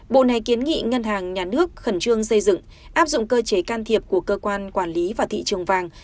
bộ này kiến nghị ngân hàng nhà nước khẩn trương xây dựng áp dụng cơ chế can thiệp của cơ quan quản lý và thị trường vàng